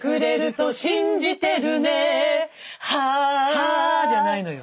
「は」じゃないのよ。